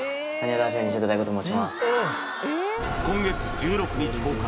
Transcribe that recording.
今月１６日公開